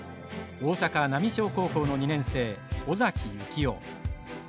大阪浪商高校の２年生尾崎行雄。